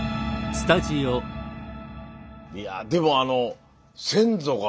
いやでもあの先祖が。